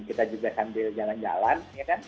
kita juga sambil jalan jalan